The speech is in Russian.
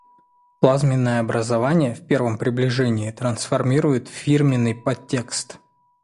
Плазменное образование, в первом приближении, трансформирует фирменный подтекст.